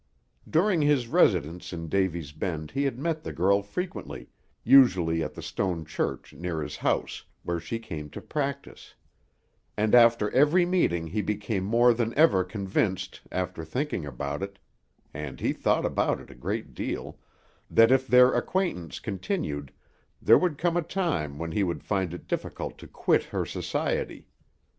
During his residence in Davy's Bend he had met the girl frequently, usually at the stone church near his house, where she came to practise; and after every meeting he became more than ever convinced, after thinking about it, and he thought about it a great deal, that if their acquaintance continued, there would come a time when he would find it difficult to quit her society.